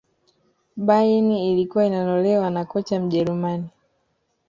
bayern ilkuwa inanolewa na kocha mjerumani